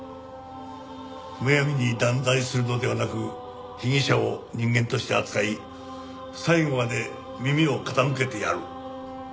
むやみに断罪するのではなく被疑者を人間として扱い最後まで耳を傾けてやる。